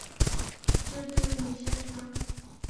জোরে জোরে নিশ্বাস নাও।